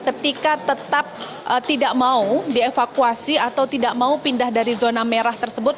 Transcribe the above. ketika tetap tidak mau dievakuasi atau tidak mau pindah dari zona merah tersebut